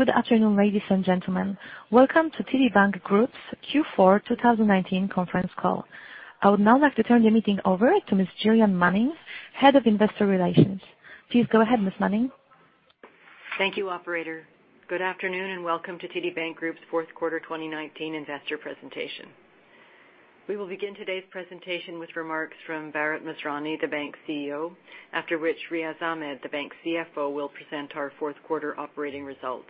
Good afternoon, ladies and gentlemen. Welcome to TD Bank Group's Q4 2019 conference call. I would now like to turn the meeting over to Ms. Gillian Manning, Head of Investor Relations. Please go ahead, Ms. Manning. Thank you, operator. Good afternoon, and welcome to TD Bank Group's fourth quarter 2019 investor presentation. We will begin today's presentation with remarks from Bharat Masrani, the bank's CEO, after which Riaz Ahmed, the bank's CFO, will present our fourth quarter operating results.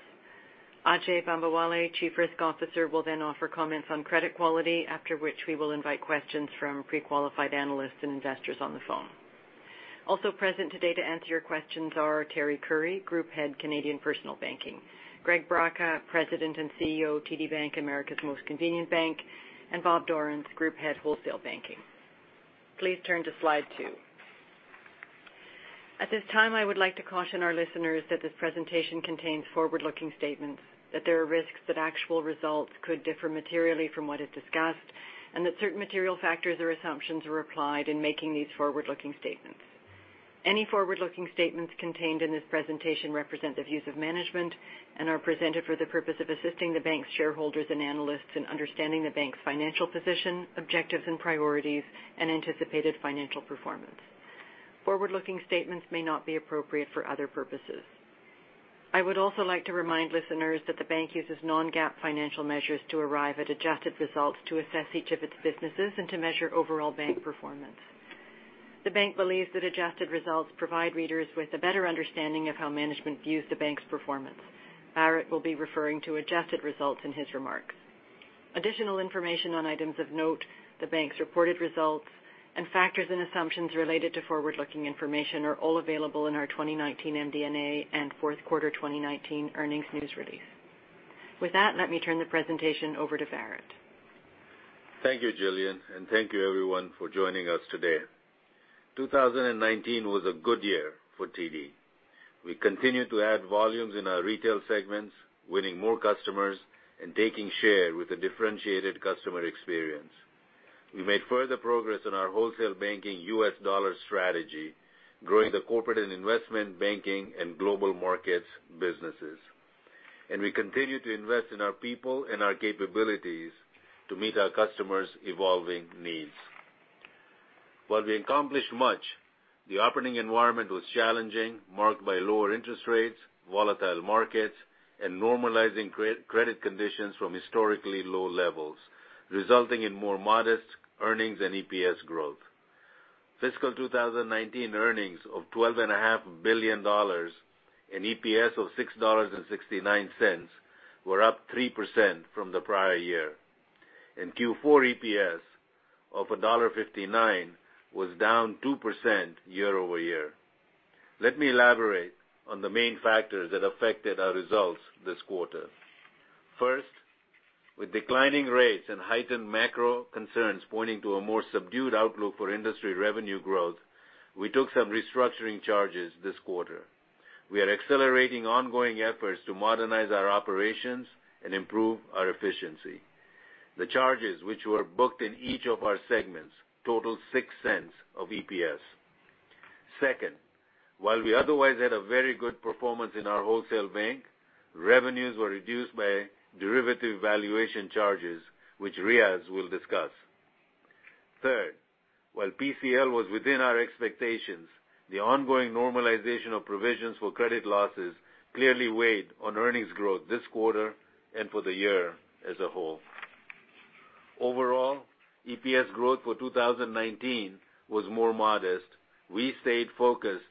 Ajai Bambawale, Chief Risk Officer, will then offer comments on credit quality, after which we will invite questions from pre-qualified analysts and investors on the phone. Also present today to answer your questions are Teri Currie, Group Head, Canadian Personal Banking, Greg Braca, President and CEO, TD Bank, America's Most Convenient Bank, and Bob Dorrance, Group Head, Wholesale Banking. Please turn to slide two. At this time, I would like to caution our listeners that this presentation contains forward-looking statements, that there are risks that actual results could differ materially from what is discussed, and that certain material factors or assumptions were applied in making these forward-looking statements. Any forward-looking statements contained in this presentation represent the views of management and are presented for the purpose of assisting the Bank's shareholders and analysts in understanding the Bank's financial position, objectives and priorities, and anticipated financial performance. Forward-looking statements may not be appropriate for other purposes. I would also like to remind listeners that the Bank uses non-GAAP financial measures to arrive at adjusted results to assess each of its businesses and to measure overall Bank performance. The Bank believes that adjusted results provide readers with a better understanding of how management views the Bank's performance. Bharat will be referring to adjusted results in his remarks. Additional information on items of note, the bank's reported results, and factors and assumptions related to forward-looking information are all available in our 2019 MD&A and fourth quarter 2019 earnings news release. With that, let me turn the presentation over to Bharat. Thank you, Gillian, thank you, everyone, for joining us today. 2019 was a good year for TD. We continued to add volumes in our retail segments, winning more customers, and taking share with a differentiated customer experience. We made further progress on our Wholesale Banking U.S. dollar strategy, growing the corporate and investment banking and global markets businesses. We continued to invest in our people and our capabilities to meet our customers' evolving needs. While we accomplished much, the operating environment was challenging, marked by lower interest rates, volatile markets, and normalizing credit conditions from historically low levels, resulting in more modest earnings and EPS growth. Fiscal 2019 earnings of 12.5 billion dollars and EPS of 6.69 dollars were up 3% from the prior year. Q4 EPS of dollar 1.59 was down 2% year-over-year. Let me elaborate on the main factors that affected our results this quarter. First, with declining rates and heightened macro concerns pointing to a more subdued outlook for industry revenue growth, we took some restructuring charges this quarter. We are accelerating ongoing efforts to modernize our operations and improve our efficiency. The charges, which were booked in each of our segments, total 0.06 of EPS. Second, while we otherwise had a very good performance in our Wholesale Banking, revenues were reduced by derivative valuation charges, which Riaz will discuss. Third, while PCL was within our expectations, the ongoing normalization of provisions for credit losses clearly weighed on earnings growth this quarter and for the year as a whole. Overall, EPS growth for 2019 was more modest. We stayed focused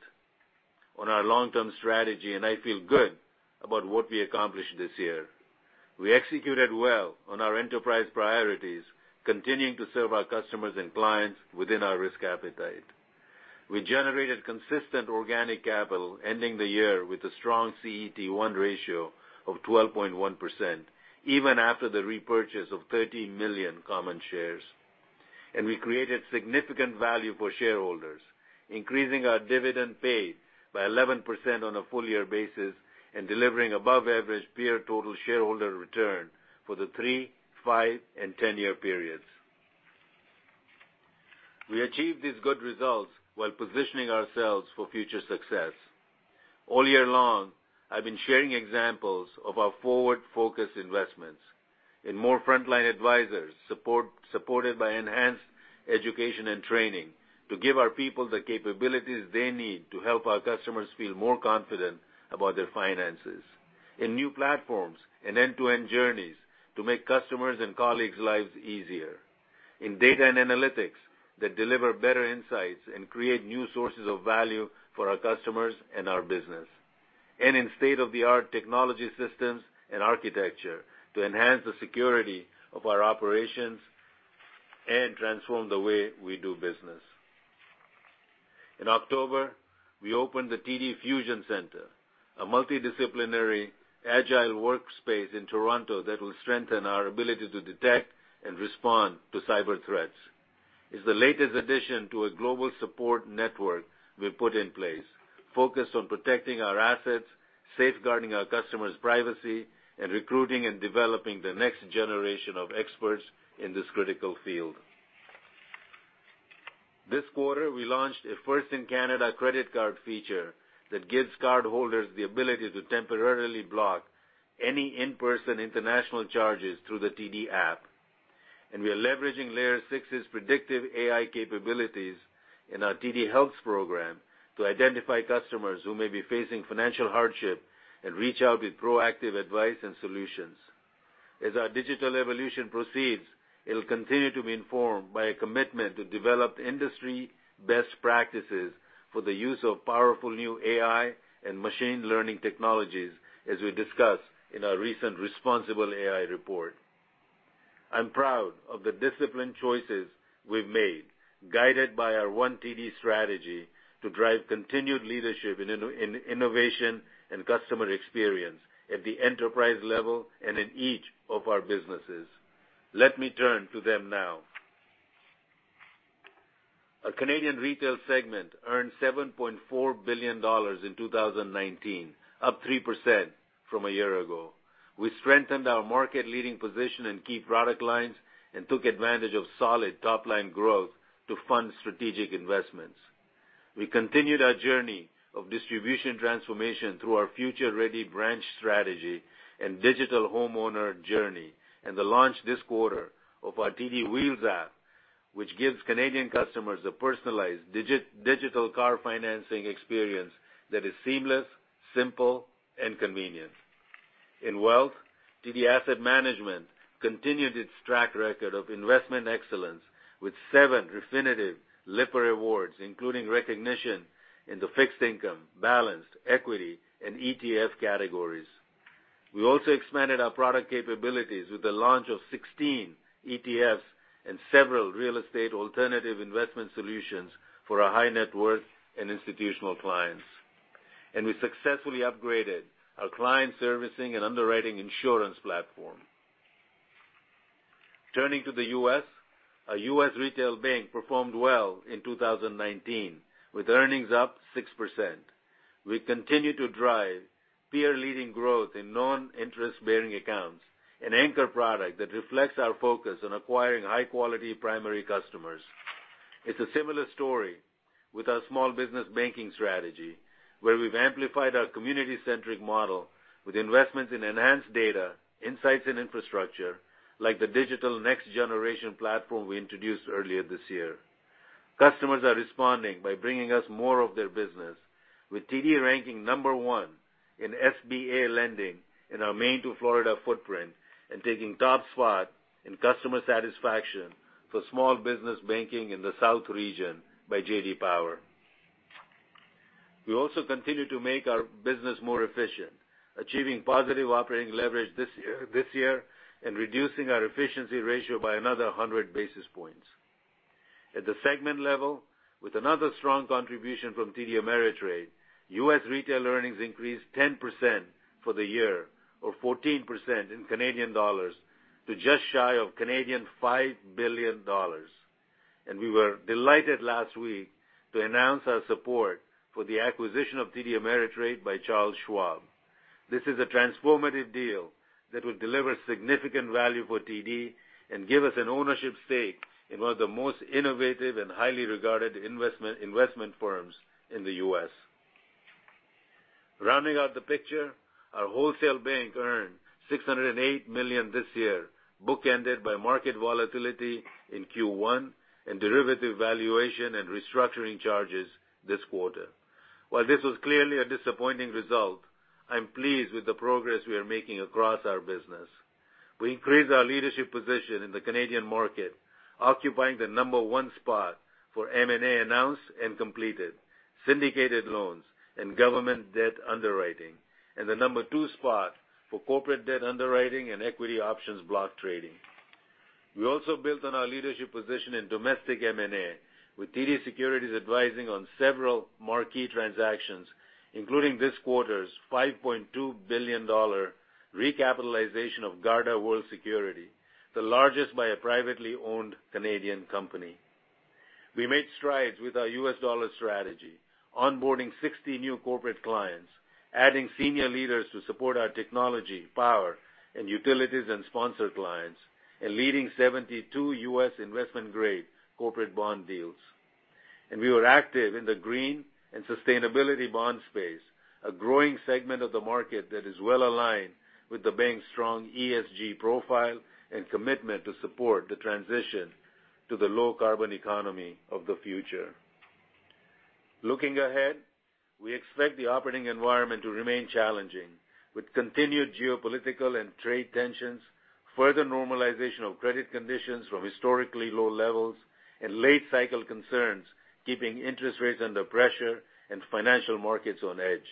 on our long-term strategy, and I feel good about what we accomplished this year. We executed well on our enterprise priorities, continuing to serve our customers and clients within our risk appetite. We generated consistent organic capital, ending the year with a strong CET1 ratio of 12.1%, even after the repurchase of 13 million common shares. We created significant value for shareholders, increasing our dividend paid by 11% on a full-year basis and delivering above-average peer total shareholder return for the three, five, and 10-year periods. We achieved these good results while positioning ourselves for future success. All year long, I've been sharing examples of our forward-focused investments in more frontline advisors, supported by enhanced education and training to give our people the capabilities they need to help our customers feel more confident about their finances, in new platforms and end-to-end journeys to make customers' and colleagues' lives easier, in data and analytics that deliver better insights and create new sources of value for our customers and our business, and in state-of-the-art technology systems and architecture to enhance the security of our operations and transform the way we do business. In October, we opened the TD Fusion Centre, a multidisciplinary, agile workspace in Toronto that will strengthen our ability to detect and respond to cyber threats. It's the latest addition to a global support network we've put in place, focused on protecting our assets, safeguarding our customers' privacy, and recruiting and developing the next generation of experts in this critical field. This quarter, we launched a first-in-Canada credit card feature that gives cardholders the ability to temporarily block any in-person international charges through the TD App. We are leveraging Layer 6's predictive AI capabilities in our TD Helps program to identify customers who may be facing financial hardship and reach out with proactive advice and solutions. As our digital evolution proceeds, it will continue to be informed by a commitment to develop industry best practices for the use of powerful new AI and machine learning technologies, as we discussed in our recent Responsible AI report. I'm proud of the disciplined choices we've made, guided by our One TD strategy to drive continued leadership in innovation and customer experience at the enterprise level and in each of our businesses. Let me turn to them now. Our Canadian Retail segment earned 7.4 billion dollars in 2019, up 3% from a year ago. We strengthened our market-leading position in key product lines and took advantage of solid top-line growth to fund strategic investments. We continued our journey of distribution transformation through our future-ready branch strategy and digital homeowner journey, and the launch this quarter of our TD Wheels app, which gives Canadian customers a personalized digital car financing experience that is seamless, simple, and convenient. In wealth, TD Asset Management continued its track record of investment excellence with seven Refinitiv Lipper Fund Awards, including recognition in the fixed income, balanced, equity, and ETF categories. We also expanded our product capabilities with the launch of 16 ETFs and several real estate alternative investment solutions for our high-net-worth and institutional clients. We successfully upgraded our client servicing and underwriting insurance platform. Turning to the U.S., our U.S. Retail Bank performed well in 2019, with earnings up 6%. We continue to drive peer-leading growth in non-interest-bearing accounts, an anchor product that reflects our focus on acquiring high-quality primary customers. It's a similar story with our small business banking strategy, where we've amplified our community-centric model with investments in enhanced data, insights and infrastructure, like the digital next-generation platform we introduced earlier this year. Customers are responding by bringing us more of their business, with TD ranking number 1 in SBA lending in our Maine to Florida footprint and taking top spot in customer satisfaction for small business banking in the South region by J.D. Power. We also continue to make our business more efficient, achieving positive operating leverage this year and reducing our efficiency ratio by another 100 basis points. At the segment level, with another strong contribution from TD Ameritrade, U.S. Retail earnings increased 10% for the year, or 14% in Canadian dollars, to just shy of 5 billion Canadian dollars. We were delighted last week to announce our support for the acquisition of TD Ameritrade by Charles Schwab. This is a transformative deal that will deliver significant value for TD and give us an ownership stake in one of the most innovative and highly regarded investment firms in the U.S. Rounding out the picture, our Wholesale Bank earned 608 million this year, bookended by market volatility in Q1 and derivative valuation and restructuring charges this quarter. While this was clearly a disappointing result, I'm pleased with the progress we are making across our business. We increased our leadership position in the Canadian market, occupying the number 1 spot for M&A announced and completed, syndicated loans, and government debt underwriting, and the number 2 spot for corporate debt underwriting and equity options block trading. We also built on our leadership position in domestic M&A, with TD Securities advising on several marquee transactions, including this quarter's 5.2 billion dollar recapitalization of GardaWorld Security, the largest by a privately-owned Canadian company. We made strides with our U.S. dollar strategy, onboarding 60 new corporate clients, adding senior leaders to support our technology, power, and utilities and sponsored clients, and leading 72 U.S. investment-grade corporate bond deals. We were active in the green and sustainability bond space, a growing segment of the market that is well-aligned with the bank's strong ESG profile and commitment to support the transition to the low-carbon economy of the future. Looking ahead, we expect the operating environment to remain challenging, with continued geopolitical and trade tensions, further normalization of credit conditions from historically low levels, and late-cycle concerns keeping interest rates under pressure and financial markets on edge.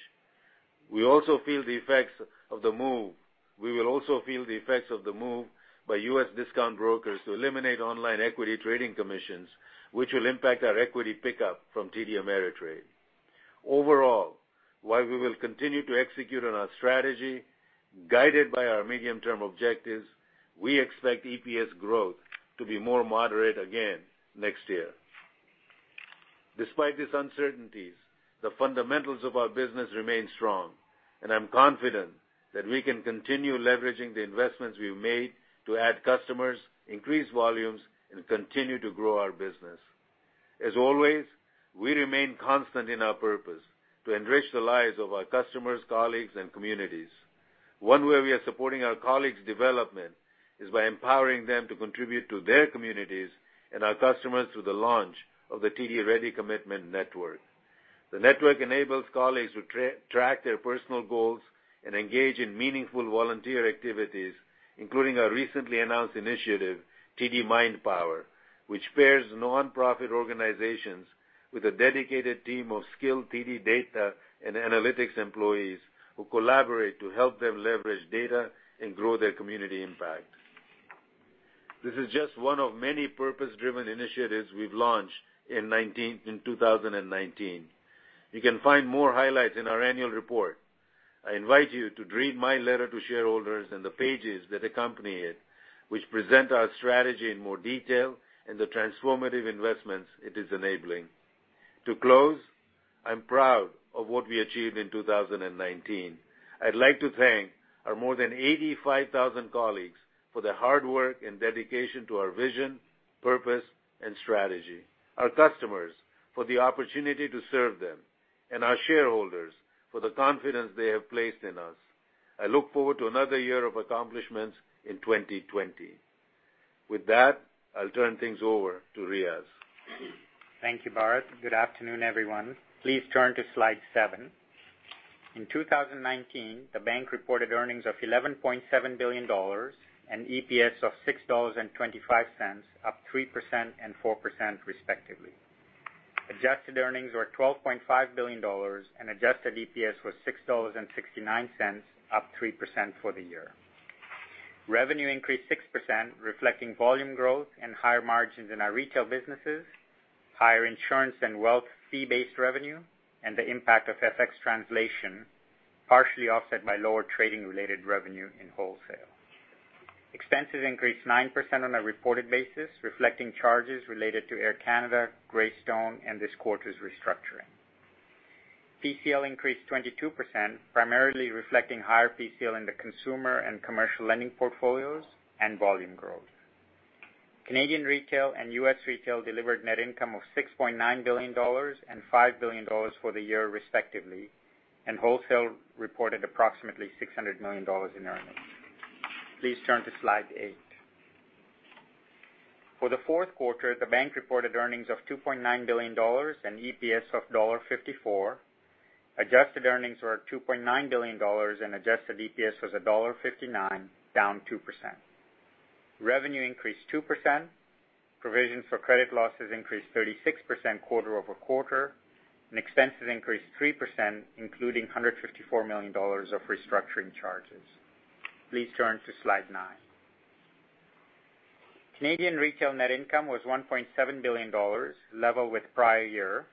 We will also feel the effects of the move by U.S. discount brokers to eliminate online equity trading commissions, which will impact our equity pickup from TD Ameritrade. Overall, while we will continue to execute on our strategy, guided by our medium-term objectives, we expect EPS growth to be more moderate again next year. Despite these uncertainties, the fundamentals of our business remain strong, and I'm confident that we can continue leveraging the investments we've made to add customers, increase volumes, and continue to grow our business. As always, we remain constant in our purpose to enrich the lives of our customers, colleagues, and communities. One way we are supporting our colleagues' development is by empowering them to contribute to their communities and our customers through the launch of the TD Ready Commitment Network. The network enables colleagues to track their personal goals and engage in meaningful volunteer activities, including our recently announced initiative, TD MindPower, which pairs nonprofit organizations with a dedicated team of skilled TD data and analytics employees who collaborate to help them leverage data and grow their community impact. This is just one of many purpose-driven initiatives we've launched in 2019. You can find more highlights in our annual report. I invite you to read my letter to shareholders and the pages that accompany it, which present our strategy in more detail and the transformative investments it is enabling. To close, I'm proud of what we achieved in 2019. I'd like to thank our more than 85,000 colleagues for their hard work and dedication to our vision, purpose, and strategy, our customers for the opportunity to serve them, and our shareholders for the confidence they have placed in us. I look forward to another year of accomplishments in 2020. With that, I'll turn things over to Riaz. Thank you, Bharat. Good afternoon, everyone. Please turn to slide seven. In 2019, the bank reported earnings of 11.7 billion dollars and EPS of 6.25 dollars, up 3% and 4% respectively. Adjusted earnings were 12.5 billion dollars and adjusted EPS was 6.69 dollars, up 3% for the year. Revenue increased 6%, reflecting volume growth and higher margins in our retail businesses, higher insurance and wealth fee-based revenue, and the impact of FX translation, partially offset by lower trading-related revenue in Wholesale. Expenses increased 9% on a reported basis, reflecting charges related to Air Canada, Greystone, and this quarter's restructuring. PCL increased 22%, primarily reflecting higher PCL in the consumer and commercial lending portfolios and volume growth. Canadian Retail and U.S. Retail delivered net income of 6.9 billion dollars and 5 billion dollars for the year respectively, and Wholesale reported approximately 600 million dollars in earnings. Please turn to slide eight. For the fourth quarter, the bank reported earnings of 2.9 billion dollars and EPS of dollar 1.54. Adjusted earnings were at 2.9 billion dollars, and adjusted EPS was dollar 1.59, down 2%. Revenue increased 2%. Provisions for credit losses increased 36% quarter-over-quarter, and expenses increased 3%, including 154 million dollars of restructuring charges. Please turn to slide nine. Canadian Retail net income was 1.7 billion dollars, level with prior year.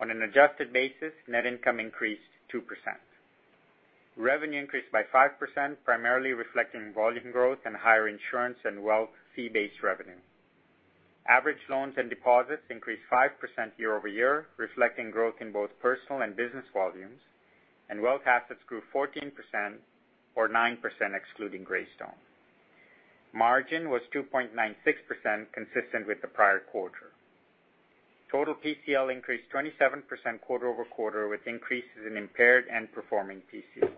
On an adjusted basis, net income increased 2%. Revenue increased by 5%, primarily reflecting volume growth and higher insurance and wealth fee-based revenue. Average loans and deposits increased 5% year-over-year, reflecting growth in both personal and business volumes. Wealth assets grew 14%, or 9% excluding Greystone. Margin was 2.96%, consistent with the prior quarter. Total PCL increased 27% quarter-over-quarter, with increases in impaired and performing PCL.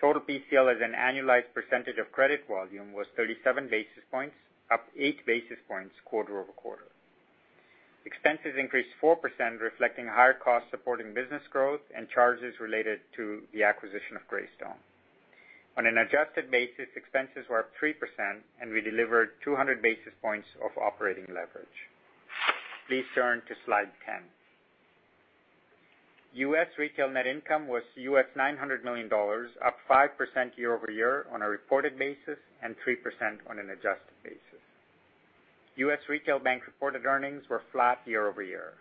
Total PCL as an annualized percentage of credit volume was 37 basis points, up eight basis points quarter-over-quarter. Expenses increased 4%, reflecting higher costs supporting business growth and charges related to the acquisition of Greystone. On an adjusted basis, expenses were up 3%, and we delivered 200 basis points of operating leverage. Please turn to slide ten. US Retail net income was $900 million, up 5% year-over-year on a reported basis, and 3% on an adjusted basis. US Retail bank-reported earnings were flat year-over-year.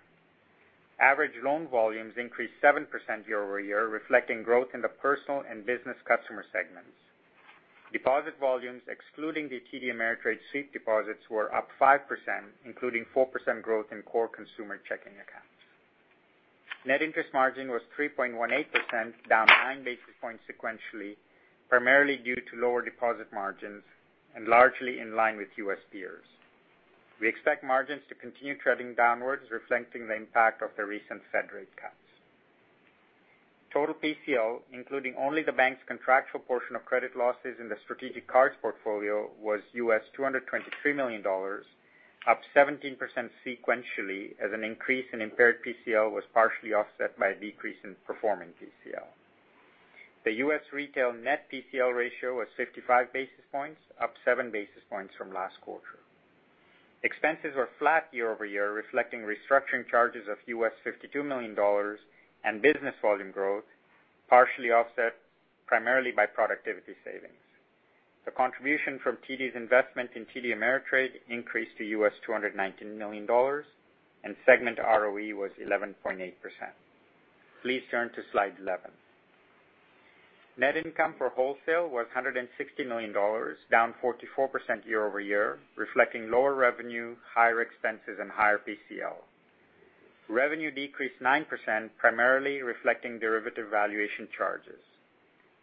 Average loan volumes increased 7% year-over-year, reflecting growth in the personal and business customer segments. Deposit volumes, excluding the TD Ameritrade sweep deposits, were up 5%, including 4% growth in core consumer checking accounts. Net interest margin was 3.18%, down nine basis points sequentially, primarily due to lower deposit margins and largely in line with U.S. peers. We expect margins to continue trending downwards, reflecting the impact of the recent Fed rate cuts. Total PCL, including only the bank's contractual portion of credit losses in the strategic cards portfolio, was US$223 million, up 17% sequentially as an increase in impaired PCL was partially offset by a decrease in performing PCL. The US Retail net PCL ratio was 55 basis points, up seven basis points from last quarter. Expenses were flat year-over-year, reflecting restructuring charges of US$52 million and business volume growth, partially offset primarily by productivity savings. The contribution from TD's investment in TD Ameritrade increased to US$219 million, and segment ROE was 11.8%. Please turn to slide 11. Net income for Wholesale was 160 million dollars, down 44% year-over-year, reflecting lower revenue, higher expenses, and higher PCL. Revenue decreased 9%, primarily reflecting derivative valuation charges.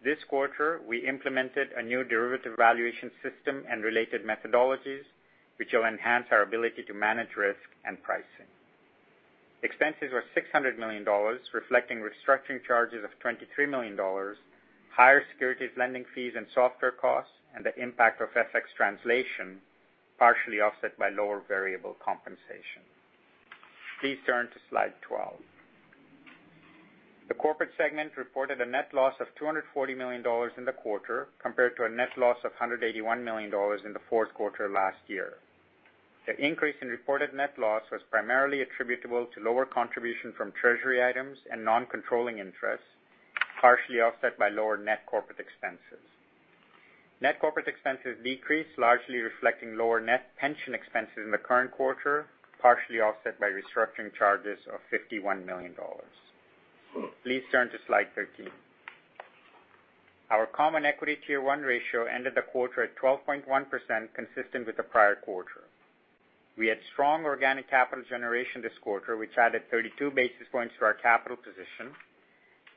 This quarter, we implemented a new derivative valuation system and related methodologies which will enhance our ability to manage risk and pricing. Expenses were 600 million dollars, reflecting restructuring charges of 23 million dollars, higher securities lending fees and software costs, and the impact of FX translation, partially offset by lower variable compensation. Please turn to Slide 12. The corporate segment reported a net loss of 240 million dollars in the quarter, compared to a net loss of 181 million dollars in the fourth quarter last year. The increase in reported net loss was primarily attributable to lower contribution from treasury items and non-controlling interests, partially offset by lower net corporate expenses. Net corporate expenses decreased largely reflecting lower net pension expenses in the current quarter, partially offset by restructuring charges of 51 million dollars. Please turn to Slide 13. Our common equity Tier 1 ratio ended the quarter at 12.1%, consistent with the prior quarter. We had strong organic capital generation this quarter, which added 32 basis points to our capital position.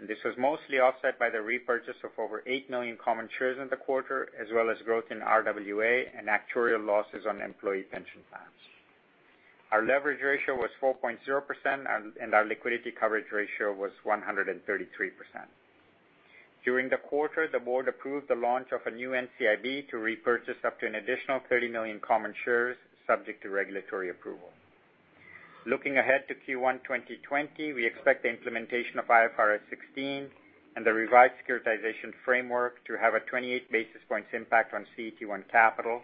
This was mostly offset by the repurchase of over eight million common shares in the quarter, as well as growth in RWA and actuarial losses on employee pension plans. Our leverage ratio was 4.0% and our liquidity coverage ratio was 133%. During the quarter, the Board approved the launch of a new NCIB to repurchase up to an additional 30 million common shares, subject to regulatory approval. Looking ahead to Q1 2020, we expect the implementation of IFRS 16 and the revised securitization framework to have a 28 basis points impact on CET1 capital,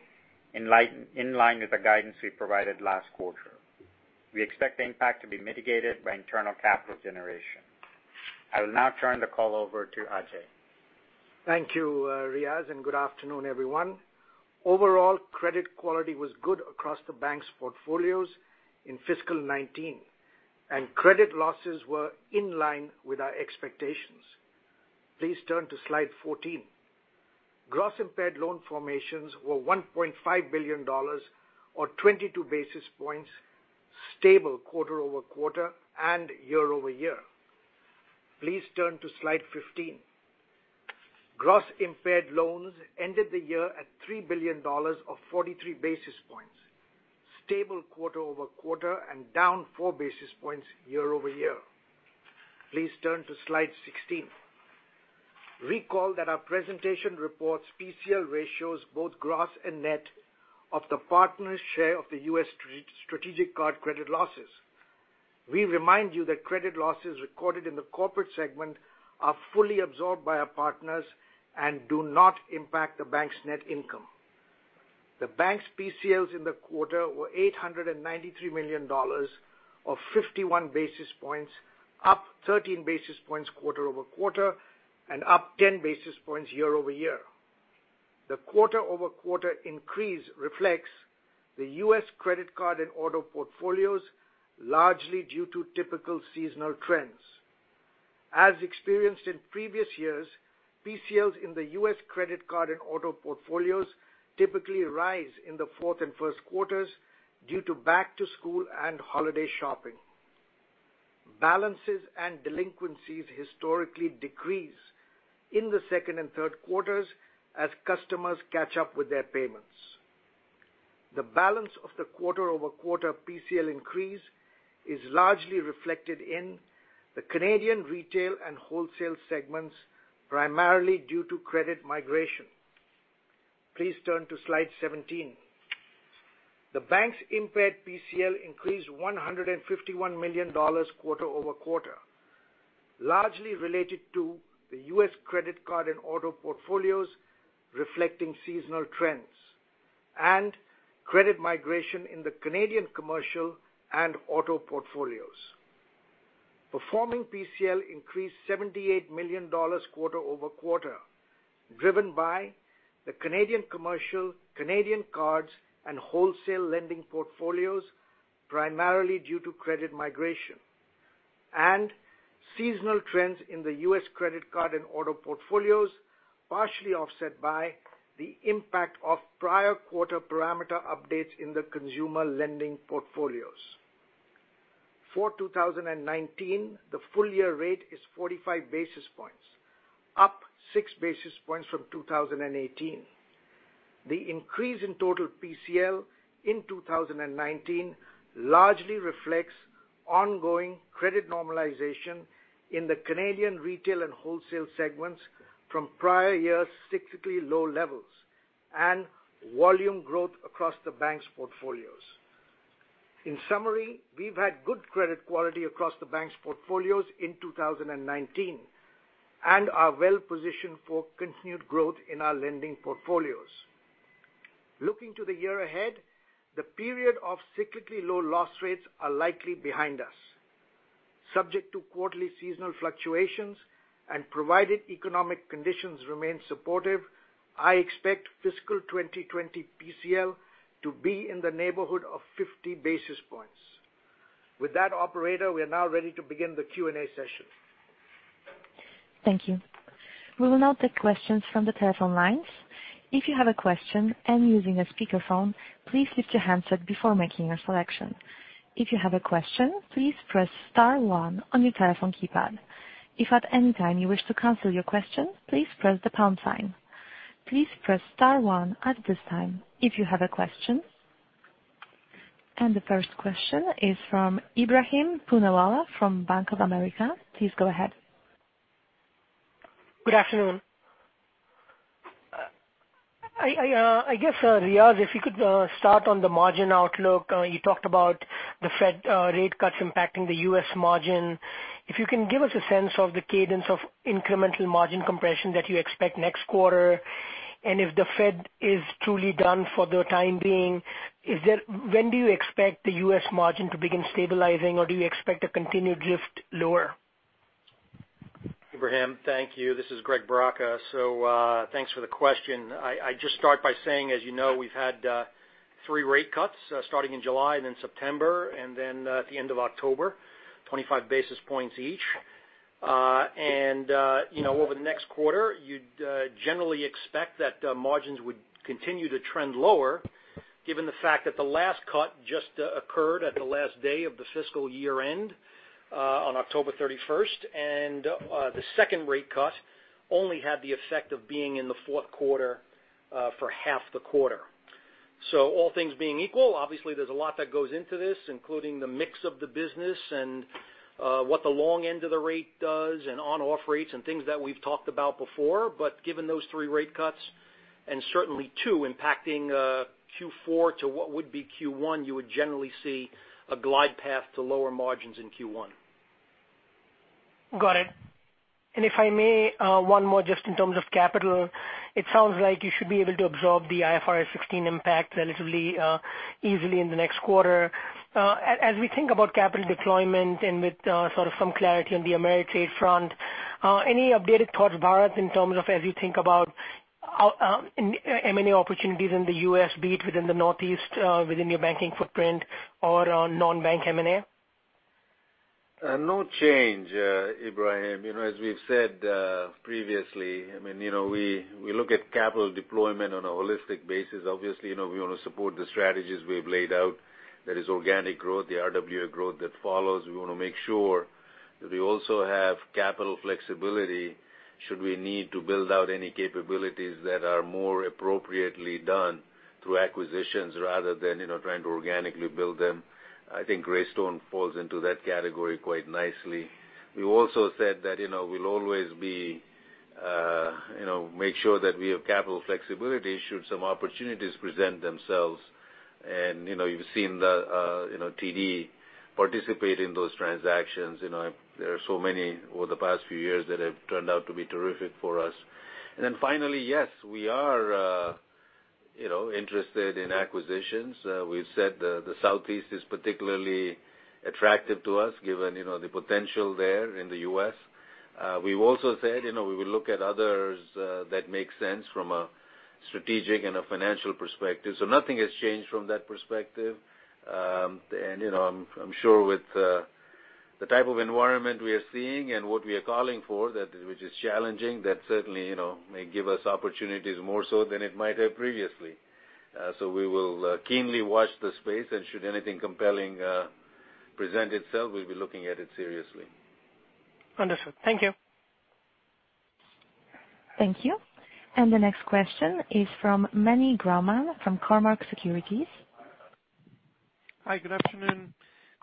in line with the guidance we provided last quarter. We expect the impact to be mitigated by internal capital generation. I will now turn the call over to Ajai. Thank you, Riaz, and good afternoon, everyone. Overall, credit quality was good across the bank's portfolios in fiscal 2019, and credit losses were in line with our expectations. Please turn to Slide 14. Gross impaired loan formations were 1.5 billion dollars or 22 basis points stable quarter-over-quarter and year-over-year. Please turn to Slide 15. Gross impaired loans ended the year at 3 billion dollars or 43 basis points, stable quarter-over-quarter and down four basis points year-over-year. Please turn to Slide 16. Recall that our presentation reports PCL ratios both gross and net of the partners' share of the U.S. strategic card credit losses. We remind you that credit losses recorded in the corporate segment are fully absorbed by our partners and do not impact the bank's net income. The bank's PCLs in the quarter were 893 million dollars or 51 basis points, up 13 basis points quarter-over-quarter and up 10 basis points year-over-year. The quarter-over-quarter increase reflects the U.S. credit card and auto portfolios largely due to typical seasonal trends. As experienced in previous years, PCLs in the U.S. credit card and auto portfolios typically rise in the fourth and first quarters due to back-to-school and holiday shopping. Balances and delinquencies historically decrease in the second and third quarters as customers catch up with their payments. The balance of the quarter-over-quarter PCL increase is largely reflected in the Canadian Retail and Wholesale segments, primarily due to credit migration. Please turn to Slide 17. The bank's impaired PCL increased 151 million dollars quarter-over-quarter, largely related to the U.S. credit card and auto portfolios reflecting seasonal trends and credit migration in the Canadian commercial and auto portfolios. Performing PCL increased 78 million dollars quarter-over-quarter, driven by the Canadian commercial, Canadian cards, and Wholesale lending portfolios, primarily due to credit migration and seasonal trends in the U.S. credit card and auto portfolios, partially offset by the impact of prior quarter parameter updates in the consumer lending portfolios. For 2019, the full-year rate is 45 basis points, up six basis points from 2018. The increase in total PCL in 2019 largely reflects ongoing credit normalization in the Canadian Retail and Wholesale segments from prior year's cyclically low levels and volume growth across the bank's portfolios. In summary, we've had good credit quality across the bank's portfolios in 2019 and are well-positioned for continued growth in our lending portfolios. Looking to the year ahead, the period of cyclically low loss rates are likely behind us. Subject to quarterly seasonal fluctuations and provided economic conditions remain supportive, I expect fiscal 2020 PCL to be in the neighborhood of 50 basis points. With that operator, we are now ready to begin the Q&A session. Thank you. We will now take questions from the telephone lines. If you have a question and using a speakerphone, please mute your handset before making your selection. If you have a question, please press star one on your telephone keypad. If at any time you wish to cancel your question, please press the pound sign. Please press star one at this time if you have a question. The first question is from Ebrahim Poonawala from Bank of America. Please go ahead. Good afternoon. I guess, Riaz, if you could start on the margin outlook. You talked about the Fed rate cuts impacting the U.S. margin. If you can give us a sense of the cadence of incremental margin compression that you expect next quarter, and if the Fed is truly done for the time being. When do you expect the U.S. margin to begin stabilizing, or do you expect a continued drift lower? Ebrahim, thank you. This is Greg Braca. Thanks for the question. I just start by saying, as you know, we've had three rate cuts, starting in July, then September, and then at the end of October, 25 basis points each. Over the next quarter, you'd generally expect that margins would continue to trend lower, given the fact that the last cut just occurred at the last day of the fiscal year-end on October 31st. The second rate cut only had the effect of being in the fourth quarter, for half the quarter. All things being equal, obviously there's a lot that goes into this, including the mix of the business and what the long end of the rate does and on-off rates and things that we've talked about before. Given those three rate cuts, and certainly two impacting Q4 to what would be Q1, you would generally see a glide path to lower margins in Q1. Got it. If I may, one more just in terms of capital. It sounds like you should be able to absorb the IFRS 16 impact relatively easily in the next quarter. As we think about capital deployment and with sort of some clarity on the TD Ameritrade front, any updated thoughts, Bharat, in terms of as you think about M&A opportunities in the U.S., be it within the Northeast, within your banking footprint or non-bank M&A? No change, Ebrahim. As we've said previously, we look at capital deployment on a holistic basis. Obviously, we want to support the strategies we've laid out. That is organic growth, the RWA growth that follows. We want to make sure that we also have capital flexibility should we need to build out any capabilities that are more appropriately done through acquisitions rather than trying to organically build them. I think Greystone falls into that category quite nicely. We also said that we'll always make sure that we have capital flexibility should some opportunities present themselves. You've seen TD participate in those transactions. There are so many over the past few years that have turned out to be terrific for us. Then finally, yes, we are interested in acquisitions. We've said the Southeast is particularly attractive to us given the potential there in the U.S. We've also said we will look at others that make sense from a strategic and a financial perspective. Nothing has changed from that perspective. I'm sure with the type of environment we are seeing and what we are calling for, which is challenging, that certainly may give us opportunities more so than it might have previously. We will keenly watch the space, and should anything compelling present itself, we'll be looking at it seriously. Wonderful. Thank you. Thank you. The next question is from Meny Grauman from Cormark Securities. Hi, good afternoon.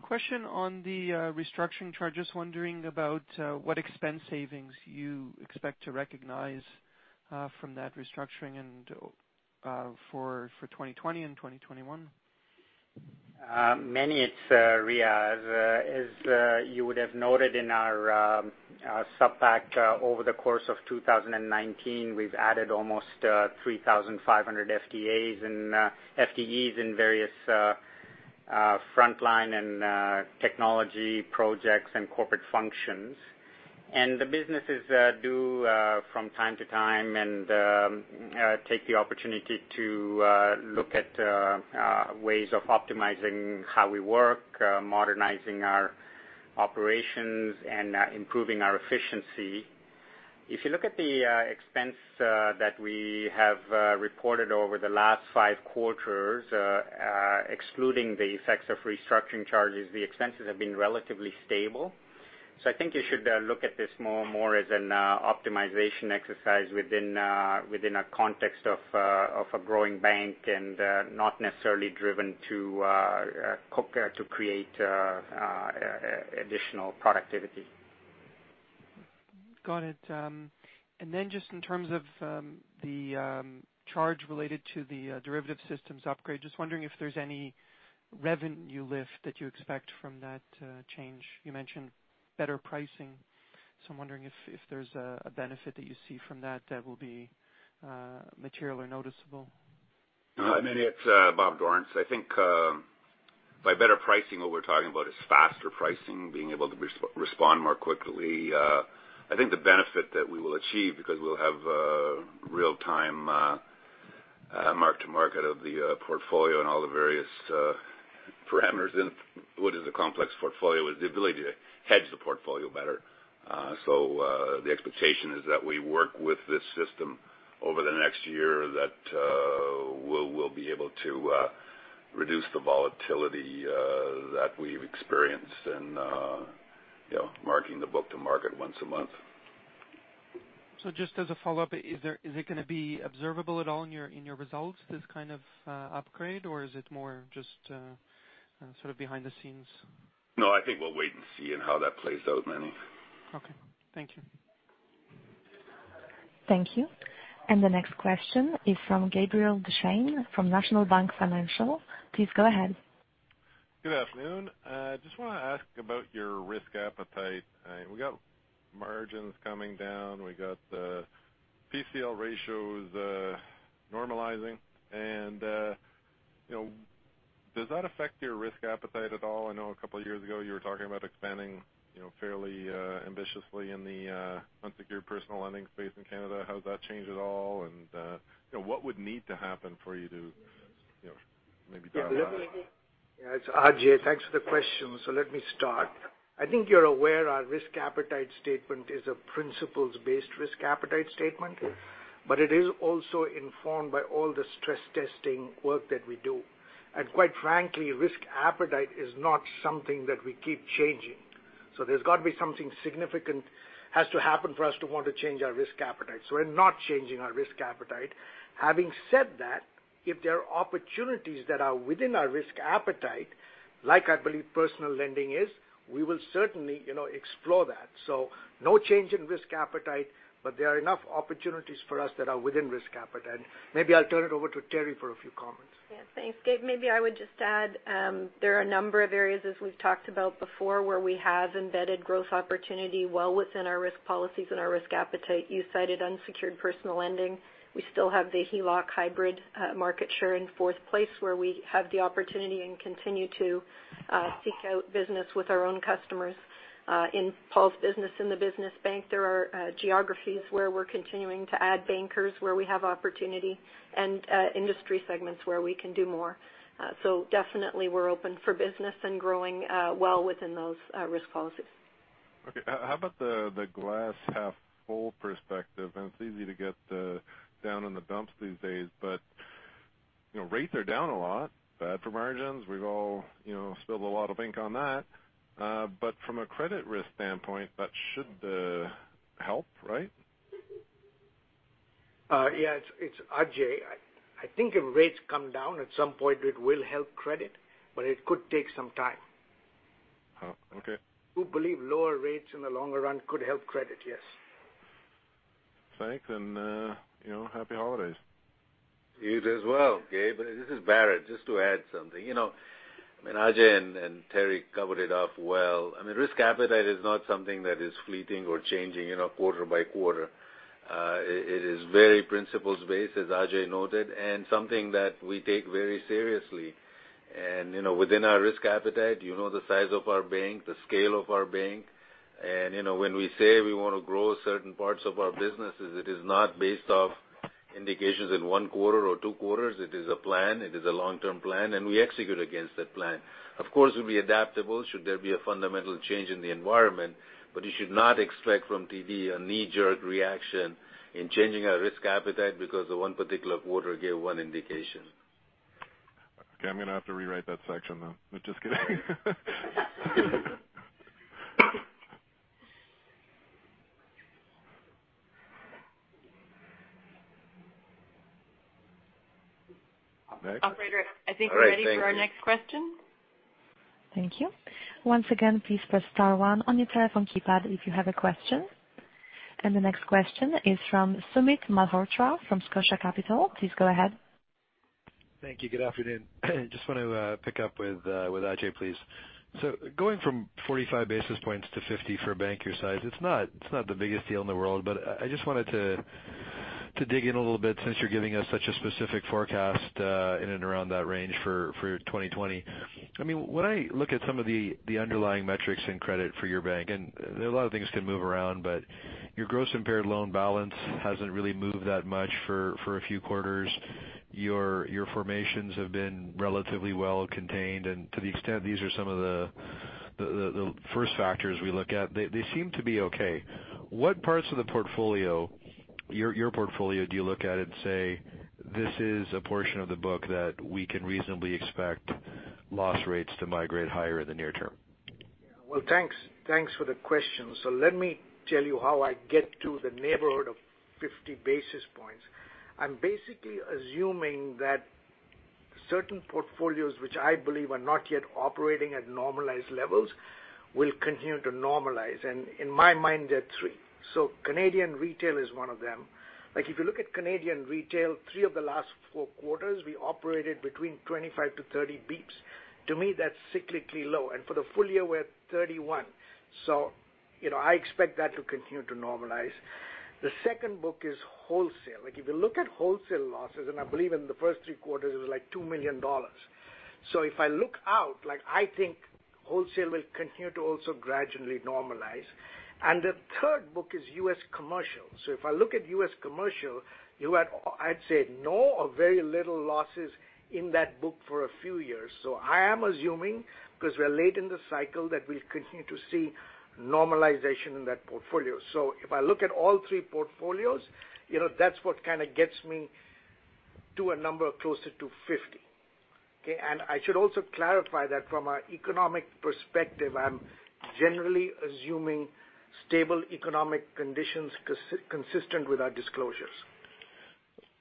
Question on the restructuring charges. Wondering about what expense savings you expect to recognize from that restructuring and for 2020 and 2021. Meny, it's Riaz. As you would have noted in our SUP over the course of 2019, we've added almost 3,500 FTEs in various frontline and technology projects and corporate functions. The businesses do from time to time and take the opportunity to look at ways of optimizing how we work, modernizing our operations, and improving our efficiency. If you look at the expense that we have reported over the last five quarters, excluding the effects of restructuring charges, the expenses have been relatively stable. I think you should look at this more as an optimization exercise within a context of a growing bank and not necessarily driven to create additional productivity. Got it. Just in terms of the charge related to the derivative systems upgrade, just wondering if there's any revenue lift that you expect from that change. You mentioned better pricing, I'm wondering if there's a benefit that you see from that that will be materially noticeable. Meny, it's Bob Dorrance. I think by better pricing, what we're talking about is faster pricing, being able to respond more quickly. I think the benefit that we will achieve because we'll have real-time. Mark to market of the portfolio and all the various parameters in what is a complex portfolio is the ability to hedge the portfolio better. The expectation is that we work with this system over the next year, that we'll be able to reduce the volatility that we've experienced in marking the book to market once a month. Just as a follow-up, is it going to be observable at all in your results, this kind of upgrade, or is it more just sort of behind the scenes? No, I think we'll wait and see on how that plays out, Meny. Okay. Thank you. Thank you. The next question is from Gabriel Dechaine from National Bank Financial. Please go ahead. Good afternoon. Just want to ask about your risk appetite. We got margins coming down. We got PCL ratios normalizing. Does that affect your risk appetite at all? I know a couple of years ago you were talking about expanding fairly ambitiously in the unsecured personal lending space in Canada. How has that changed at all? Yeah. It's Ajai. Thanks for the question. Let me start. I think you're aware our risk appetite statement is a principles-based risk appetite statement, but it is also informed by all the stress testing work that we do. Quite frankly, risk appetite is not something that we keep changing. There's got to be something significant has to happen for us to want to change our risk appetite. We're not changing our risk appetite. Having said that, if there are opportunities that are within our risk appetite, like I believe personal lending is, we will certainly explore that. No change in risk appetite, but there are enough opportunities for us that are within risk appetite. Maybe I'll turn it over to Teri for a few comments. Yeah. Thanks, Gabe. Maybe I would just add, there are a number of areas, as we've talked about before, where we have embedded growth opportunity well within our risk policies and our risk appetite. You cited unsecured personal lending. We still have the HELOC hybrid market share in fourth place where we have the opportunity and continue to seek out business with our own customers. In Paul's business in the business bank, there are geographies where we're continuing to add bankers where we have opportunity and industry segments where we can do more. Definitely we're open for business and growing well within those risk policies. Okay. How about the glass half full perspective? It's easy to get down in the dumps these days, but rates are down a lot. Bad for margins. We've all spilled a lot of ink on that. From a credit risk standpoint, that should help, right? Yeah. It's Ajai. I think if rates come down, at some point it will help credit, but it could take some time. Okay. We believe lower rates in the longer run could help credit, yes. Thanks, and happy holidays. You as well, Gabe. This is Bharat. Just to add something. Ajai and Teri covered it off well. Risk appetite is not something that is fleeting or changing quarter by quarter. It is very principles based, as Ajai noted, and something that we take very seriously. Within our risk appetite, you know the size of our bank, the scale of our bank. When we say we want to grow certain parts of our businesses, it is not based off indications in one quarter or two quarters. It is a plan. It is a long-term plan, and we execute against that plan. Of course, we'll be adaptable should there be a fundamental change in the environment, you should not expect from TD a knee-jerk reaction in changing our risk appetite because of one particular quarter gave one indication. Okay. I'm going to have to rewrite that section then. No, just kidding. Operator, I think you're ready for our next question. Thank you. Once again, please press star one on your telephone keypad if you have a question. The next question is from Sumit Malhotra from Scotia Capital. Please go ahead. Thank you. Good afternoon. Just want to pick up with Ajai, please. Going from 45 basis points to 50 for a bank your size, it's not the biggest deal in the world, but I just wanted to dig in a little bit since you're giving us such a specific forecast in and around that range for 2020. When I look at some of the underlying metrics in credit for your bank, a lot of things can move around, but your gross impaired loan balance hasn't really moved that much for a few quarters. Your formations have been relatively well contained, to the extent these are some of the first factors we look at, they seem to be okay. What parts of your portfolio do you look at and say, "This is a portion of the book that we can reasonably expect loss rates to migrate higher in the near term? Well, thanks for the question. Let me tell you how I get to the neighborhood of 50 basis points. I am basically assuming that certain portfolios, which I believe are not yet operating at normalized levels, will continue to normalize. In my mind, there are three. Canadian Retail is one of them. If you look at Canadian Retail, three of the last four quarters we operated between 25 to 30 basis points. To me, that's cyclically low. For the full year, we are 31. I expect that to continue to normalize. The second book is Wholesale. If you look at Wholesale losses, I believe in the first three quarters it was like 2 million dollars. If I look out, I think Wholesale will continue to also gradually normalize. The third book is US Commercial. If I look at US Commercial, I'd say no or very little losses in that book for a few years. I am assuming because we're late in the cycle, that we'll continue to see normalization in that portfolio. If I look at all three portfolios, that's what kind of gets me to a number closer to 50. Okay? I should also clarify that from an economic perspective, I'm generally assuming stable economic conditions consistent with our disclosures.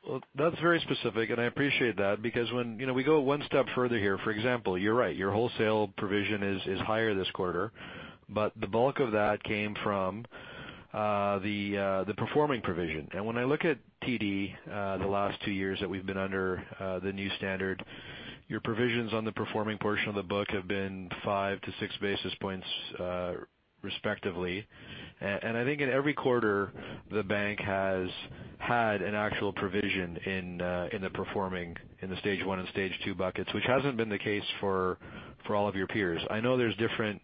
Well, that's very specific, and I appreciate that because when we go one step further here, for example, you're right, your Wholesale provision is higher this quarter, but the bulk of that came from the performing provision. When I look at TD the last two years that we've been under the new standard, your provisions on the performing portion of the book have been five to six basis points, respectively. I think in every quarter the bank has had an actual provision in the performing, in the stage 1 and stage 2 buckets, which hasn't been the case for all of your peers. I know there's different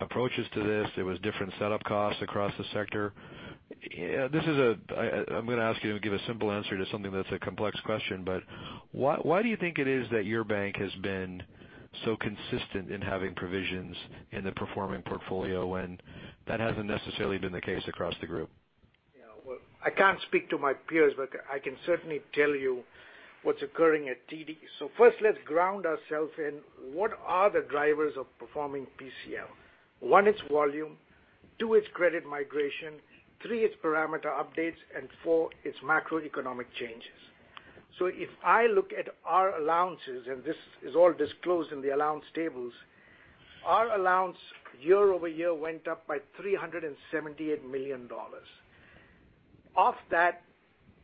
approaches to this. There was different setup costs across the sector. I'm going to ask you to give a simple answer to something that's a complex question, but why do you think it is that your bank has been so consistent in having provisions in the performing portfolio when that hasn't necessarily been the case across the group? Well, I can't speak to my peers, but I can certainly tell you what's occurring at TD. First, let's ground ourselves in what are the drivers of performing PCL. One, it's volume. Two, it's credit migration. Three, it's parameter updates, and four, it's macroeconomic changes. If I look at our allowances, and this is all disclosed in the allowance tables, our allowance year-over-year went up by 378 million dollars. Of that,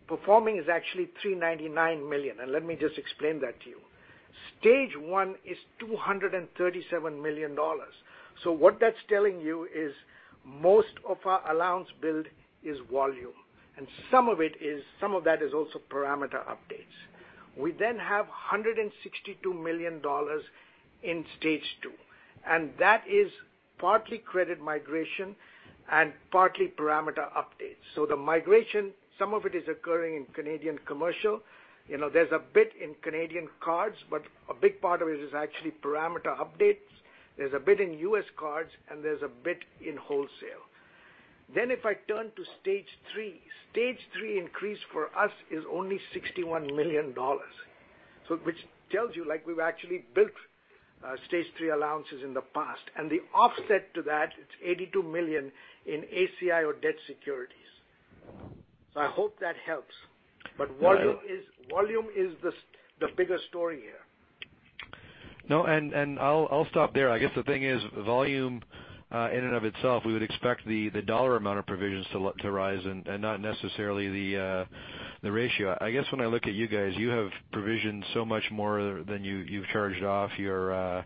performing is actually 399 million. Let me just explain that to you. Stage 1 is 237 million dollars. What that's telling you is most of our allowance build is volume. Some of that is also parameter updates. We have 162 million dollars in stage 2. That is partly credit migration and partly parameter updates. The migration, some of it is occurring in Canadian Commercial. There's a bit in Canadian cards, but a big part of it is actually parameter updates. There's a bit in U.S. cards and there's a bit in Wholesale. If I turn to stage 3, stage 3 increase for us is only 61 million dollars, which tells you we've actually built stage 3 allowances in the past. The offset to that, it's 82 million in ACI or debt securities. I hope that helps. Volume is the bigger story here. No. I'll stop there. I guess the thing is volume in and of itself, we would expect the dollar amount of provisions to rise and not necessarily the ratio. I guess when I look at you guys, you have provisioned so much more than you've charged off. Your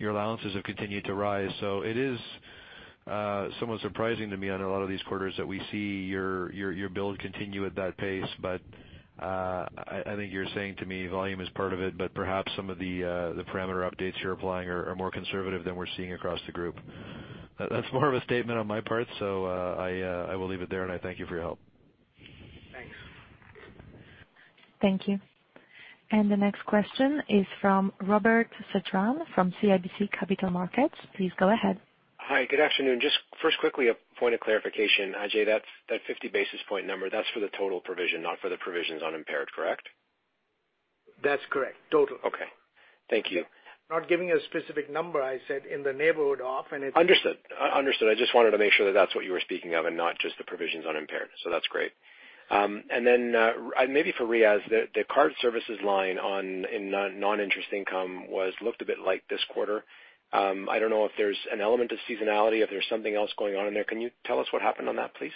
allowances have continued to rise. It is somewhat surprising to me on a lot of these quarters that we see your build continue at that pace. I think you're saying to me volume is part of it, but perhaps some of the parameter updates you're applying are more conservative than we're seeing across the group. That's more of a statement on my part. I will leave it there, and I thank you for your help. Thanks. Thank you. The next question is from Robert Sedran from CIBC Capital Markets. Please go ahead. Hi, good afternoon. Just first quickly, a point of clarification, Ajai. That 50 basis point number, that's for the total provision, not for the provisions on impaired, correct? That's correct. Total. Okay. Thank you. Not giving a specific number, I said in the neighborhood of, and I think. Understood. I just wanted to make sure that that's what you were speaking of and not just the provisions on impaired. That's great. Maybe for Riaz, the card services line in non-interest income looked a bit light this quarter. I don't know if there's an element of seasonality, if there's something else going on in there. Can you tell us what happened on that, please?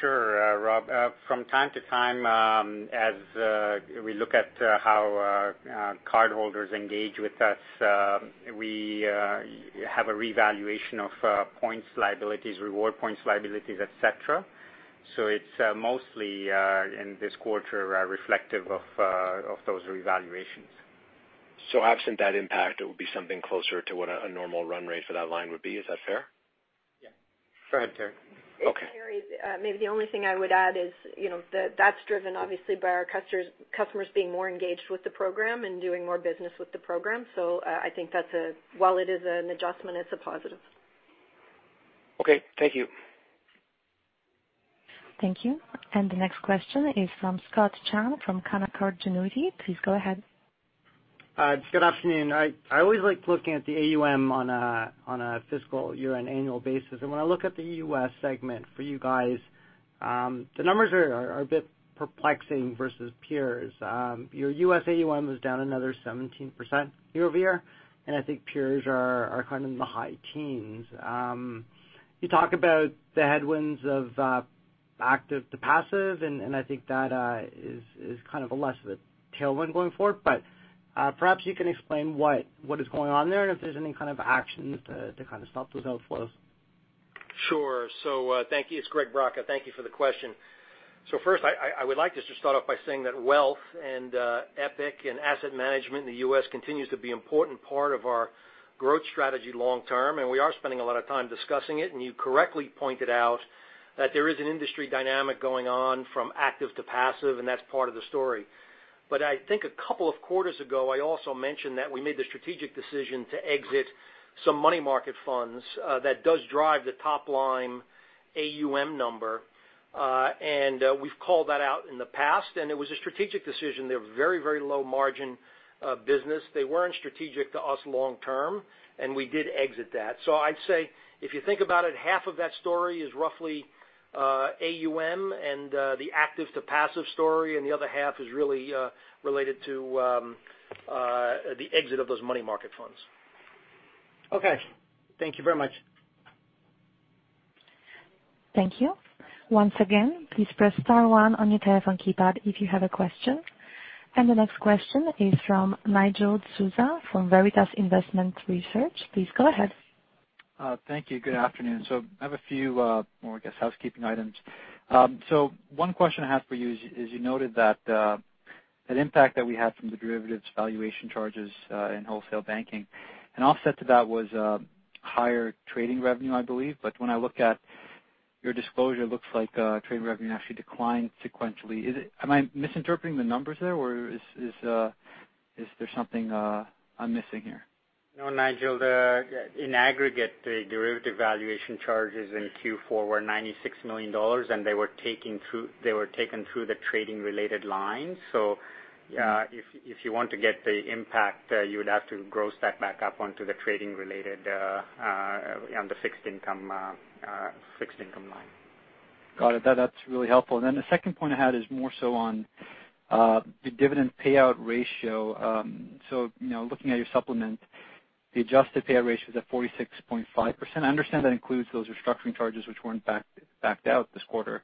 Sure, Rob. From time to time, as we look at how cardholders engage with us, we have a revaluation of points liabilities, reward points liabilities, et cetera. It's mostly in this quarter reflective of those revaluations. Absent that impact, it would be something closer to what a normal run rate for that line would be. Is that fair? Yeah. Go ahead, Teri. Okay. It's Teri. Maybe the only thing I would add is that's driven obviously by our customers being more engaged with the program and doing more business with the program. I think that while it is an adjustment, it's a positive. Okay. Thank you. Thank you. The next question is from Scott Chan from Canaccord Genuity. Please go ahead. Good afternoon. I always like looking at the AUM on a fiscal year and annual basis. When I look at the U.S. segment for you guys, the numbers are a bit perplexing versus peers. Your U.S. AUM was down another 17% year-over-year, and I think peers are kind of in the high teens. You talk about the headwinds of active to passive, and I think that is kind of a less of a tailwind going forward, but perhaps you can explain what is going on there and if there's any kind of actions to kind of stop those outflows. Sure. Thank you. It's Greg Braca. Thank you for the question. First, I would like just to start off by saying that wealth and Epoch and asset management in the U.S. continues to be important part of our growth strategy long-term. We are spending a lot of time discussing it. You correctly pointed out that there is an industry dynamic going on from active to passive. That's part of the story. I think a couple of quarters ago, I also mentioned that we made the strategic decision to exit some money market funds that does drive the top line AUM number. We've called that out in the past. It was a strategic decision. They're very low margin business. They weren't strategic to us long term. We did exit that. I'd say, if you think about it, half of that story is roughly AUM and the active to passive story, and the other half is really related to the exit of those money market funds. Okay. Thank you very much. Thank you. Once again, please press star 1 on your telephone keypad if you have a question. The next question is from Nigel D'Souza from Veritas Investment Research. Please go ahead. Thank you. Good afternoon. I have a few more, I guess, housekeeping items. One question I have for you is, you noted that an impact that we had from the derivatives valuation charges in Wholesale Banking, an offset to that was higher trading revenue, I believe. When I look at your disclosure, it looks like trading revenue actually declined sequentially. Am I misinterpreting the numbers there, or is there something I'm missing here? No, Nigel. In aggregate, the derivative valuation charges in Q4 were 96 million dollars. They were taken through the trading-related lines. If you want to get the impact, you would have to gross that back up onto the trading-related on the fixed income line. Got it. That's really helpful. The second point I had is more so on the dividend payout ratio. Looking at your supplement, the adjusted payout ratio is at 46.5%. I understand that includes those restructuring charges which weren't backed out this quarter.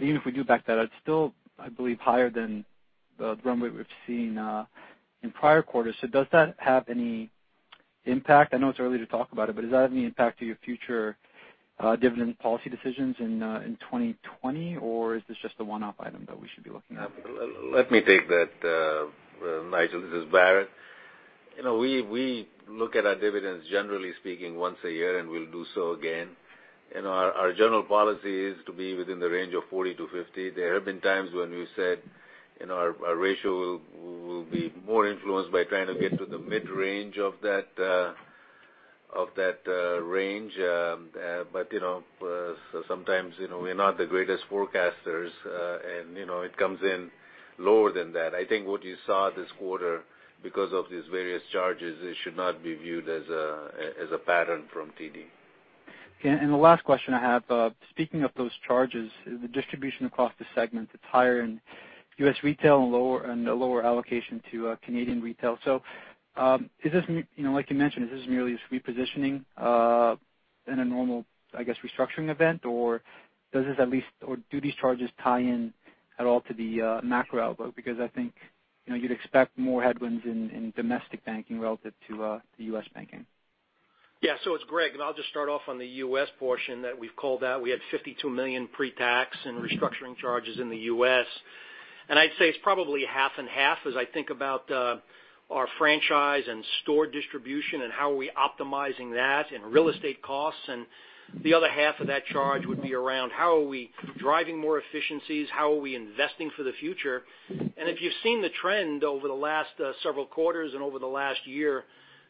Even if we do back that out, it's still, I believe, higher than the run we've seen in prior quarters. Does that have any impact? I know it's early to talk about it, but does that have any impact to your future dividend policy decisions in 2020, or is this just a one-off item that we should be looking at? Let me take that, Nigel. This is Bharat. We look at our dividends, generally speaking, once a year, and we'll do so again. Our general policy is to be within the range of 40%-50%. There have been times when we said our ratio will be more influenced by trying to get to the mid-range of that range. But sometimes we're not the greatest forecasters, and it comes in lower than that. I think what you saw this quarter because of these various charges, it should not be viewed as a pattern from TD. Okay. The last question I have, speaking of those charges, the distribution across the segment, it's higher in US Retail and a lower allocation to Canadian Retail. Like you mentioned, is this merely a repositioning in a normal, I guess, restructuring event, or do these charges tie in at all to the macro outlook? Because I think you'd expect more headwinds in domestic banking relative to US banking. Yeah. It's Greg, and I'll just start off on the U.S. portion that we've called out. We had $52 million pre-tax in restructuring charges in the U.S. I'd say it's probably half and half as I think about our franchise and store distribution and how are we optimizing that and real estate costs. The other half of that charge would be around how are we driving more efficiencies, how are we investing for the future. If you've seen the trend over the last several quarters and over the last year,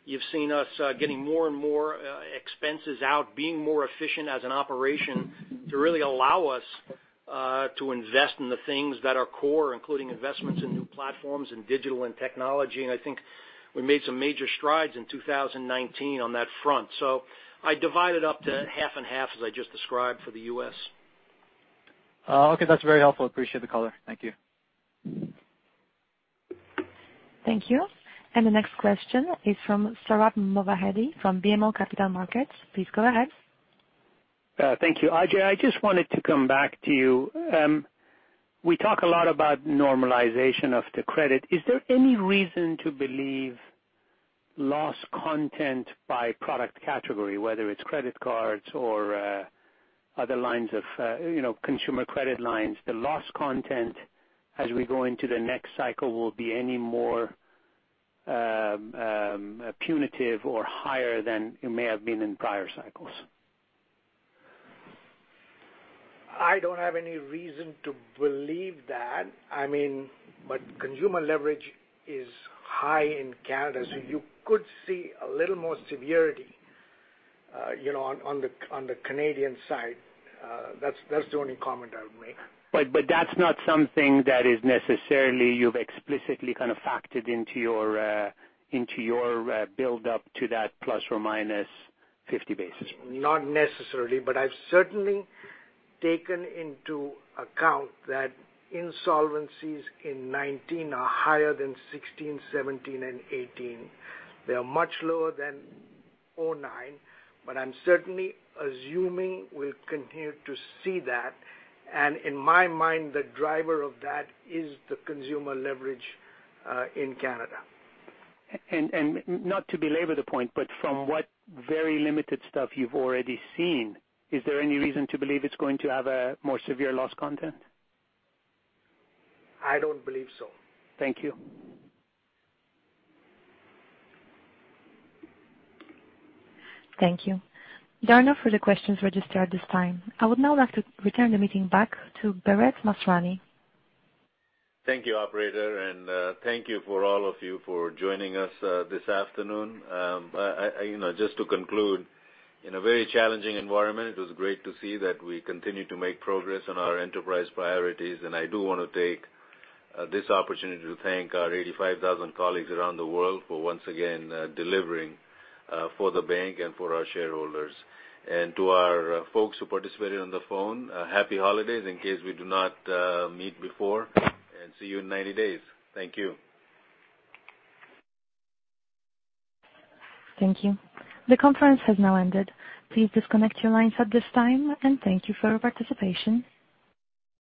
you've seen us getting more and more expenses out, being more efficient as an operation to really allow us to invest in the things that are core, including investments in new platforms and digital and technology. I think we made some major strides in 2019 on that front. I divide it up to half and half as I just described for the U.S. Okay. That's very helpful. Appreciate the color. Thank you. Thank you. The next question is from Sohrab Movahedi from BMO Capital Markets. Please go ahead. Thank you. Ajai, I just wanted to come back to you. We talk a lot about normalization of the credit. Is there any reason to believe loss content by product category, whether it's credit cards or other lines of consumer credit lines, the loss content as we go into the next cycle will be any more punitive or higher than it may have been in prior cycles? I don't have any reason to believe that. Consumer leverage is high in Canada, so you could see a little more severity on the Canadian side. That's the only comment I would make. That's not something that is necessarily you've explicitly kind of factored into your build-up to that plus or minus 50 basis points. I've certainly taken into account that insolvencies in 2019 are higher than 2016, 2017, and 2018. They are much lower than 2009, but I'm certainly assuming we'll continue to see that. In my mind, the driver of that is the consumer leverage in Canada. Not to belabor the point, but from what very limited stuff you’ve already seen, is there any reason to believe it’s going to have a more severe loss content? I don't believe so. Thank you. Thank you. There are no further questions registered at this time. I would now like to return the meeting back to Bharat Masrani. Thank you, operator, and thank you for all of you for joining us this afternoon. Just to conclude, in a very challenging environment, it was great to see that we continue to make progress on our enterprise priorities, and I do want to take this opportunity to thank our 85,000 colleagues around the world for once again delivering for the bank and for our shareholders. To our folks who participated on the phone, happy holidays in case we do not meet before, and see you in 90 days. Thank you. Thank you. The conference has now ended. Please disconnect your lines at this time, and thank you for your participation.